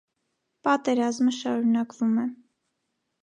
Պատերազմը շարունակվում է։